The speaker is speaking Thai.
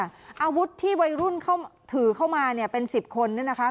อาวุธที่วัยรุ่นเขาถือเข้ามาเนี่ยเป็น๑๐คนเนี่ยนะคะ